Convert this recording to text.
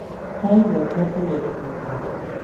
Kay malkaćhu yaćhakaqluuñam.